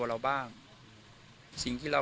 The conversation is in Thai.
วันนี้ก็จะเป็นสวัสดีครับ